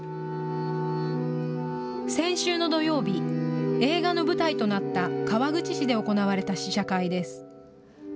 先週の土曜日、映画の舞台となった川口市で行われた試写会です。